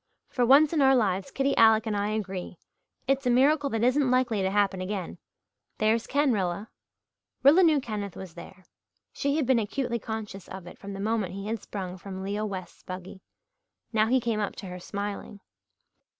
For once in our lives Kitty Alec and I agree. It's a miracle that isn't likely to happen again. There's Ken, Rilla." Rilla knew Kenneth was there. She had been acutely conscious of it from the moment he had sprung from Leo West's buggy. Now he came up to her smiling.